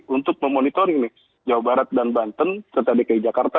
untuk memonitoring nih jawa barat dan banten serta dki jakarta